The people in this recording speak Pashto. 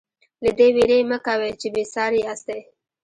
له دې وېرې مه کوئ چې بې ساري یاستئ.